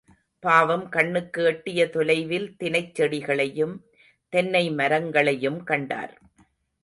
பாவம் கண்ணுக்கு எட்டிய தொலைவில் தினைச் செடிகளையும், தென்னை மரங்களையும் கண்டார்.